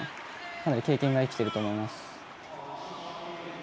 かなり経験が生きてると思います。